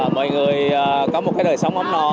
mọi người có một cái đời sống ấm no